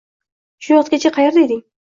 — Shu vaqtgacha qaerda eding?